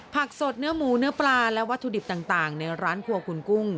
ผักสดเนื้อหมูเนื้อปลาและวัตถุดิบต่างในร้านครัวคุณกุ้ง